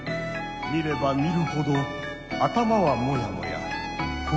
見れば見るほど頭はモヤモヤ心もモヤモヤ。